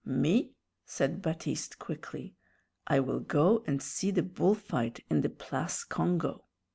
"Me!" said Baptiste, quickly; "I will go and see the bull fight in the Place Congo."